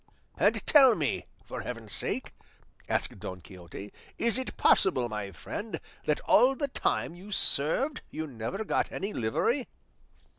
"And tell me, for heaven's sake," asked Don Quixote, "is it possible, my friend, that all the time you served you never got any livery?"